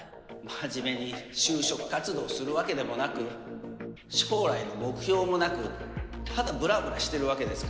真面目に就職活動するわけでもなく将来の目標もなくただブラブラしてるわけですから。